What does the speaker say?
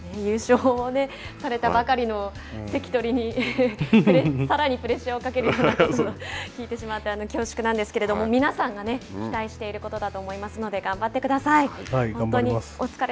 優勝をされたばかりの関取にさらにプレッシャーをかけるようなことを聞いてしまって恐縮なんですけれども皆さんが期待していることだと思いますので頑張ってください。